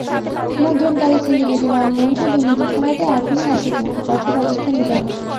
মুদ্রণকারী সিন্ডিকেটের অনিয়ম ও দুর্নীতি ঠেকাতে এখনই এনসিটিবিকে কঠোর ব্যবস্থা নিতে হবে।